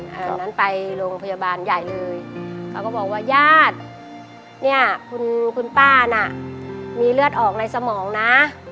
อันนั้นไปโรงพยาบาลใหญ่เลยเขาก็บอกว่าญาติเนี่ยคุณป้าน่ะมีเลือดออกในสมองนะ